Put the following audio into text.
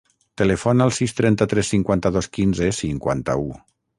Telefona al sis, trenta-tres, cinquanta-dos, quinze, cinquanta-u.